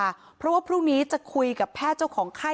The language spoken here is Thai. ต้องรอผลพิสูจน์จากแพทย์ก่อนนะคะ